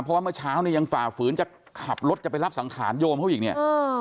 เพราะว่าเมื่อเช้าเนี่ยยังฝ่าฝืนจะขับรถจะไปรับสังขารโยมเขาอีกเนี่ย